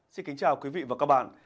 xin kính chào quý vị và các bạn